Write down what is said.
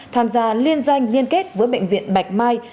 tham gia liên doanh liên kết với bệnh viện bạch mai